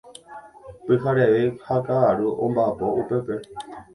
Pyhareve ha ka'aru omba'apo upépe.